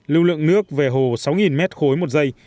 lưu lượng nước về hồ sáu mét khối một giây